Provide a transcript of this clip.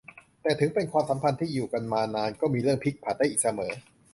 แต่ถึงเป็นความสัมพันธ์ที่อยู่กันมานานก็มีเรื่องพลิกผันได้อีกเสมอ